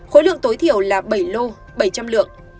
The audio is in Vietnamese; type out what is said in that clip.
khối lượng tối thiểu là bảy lô bảy trăm linh lượng